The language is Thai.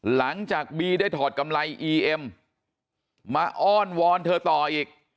หลังจากบีได้ถอดกำไรอีเอ็มมาอ้อนวอนเธอต่ออีก